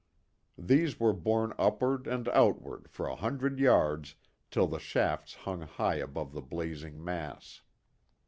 These were borne upward and outward for a hundred yards till the shafts hung high above the blazing mass.